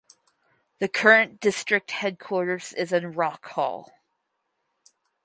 The current district headquarters is in Rock Hall.